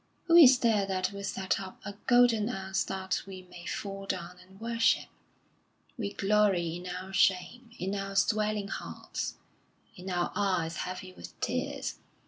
Who is there that will set up a golden ass that we may fall down and worship? We glory in our shame, in our swelling hearts, in our eyes heavy with tears.